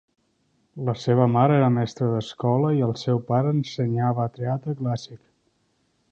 La seva mare era mestra d'escola i el seu pare ensenyava teatre clàssic.